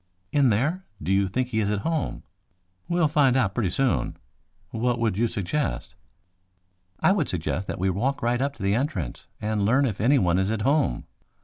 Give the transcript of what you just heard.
"In there? Do you think he is at home?" "We'll find out pretty soon. What would you suggest?" "I would suggest that we walk right up to the entrance and learn if anyone is at home.